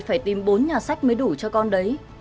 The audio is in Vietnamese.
phải tìm bốn nhà sách mới đủ cho con đấy